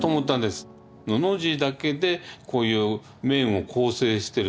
のの字だけでこういう面を構成してる。